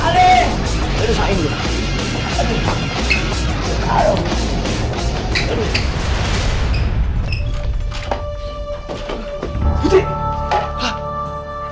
aduh saking dulu